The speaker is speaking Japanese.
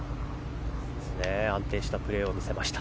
安定したプレーを見せました。